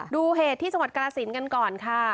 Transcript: ดูเหตุที่สมรรถกราศิลป์กันก่อนค่ะ